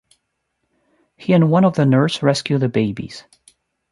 He and one of the nurse rescue the babies.